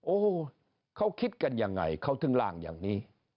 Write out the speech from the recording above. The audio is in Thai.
โอ้เขาคิดกันอย่างไรเขาทึ่งร่างอย่างนี้